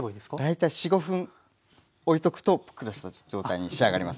大体４５分おいとくとぷっくらした状態に仕上がります。